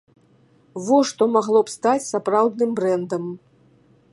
Во што магло б стаць сапраўдным брэндам.